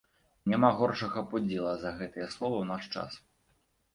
Няма горшага пудзіла за гэтыя словы ў наш час.